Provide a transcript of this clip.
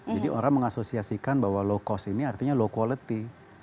jadi orang mengasosiasikan bahwa low cost ini artinya low quality